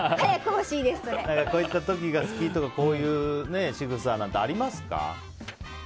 こういう時が好きとかこういうしぐさとかありますか？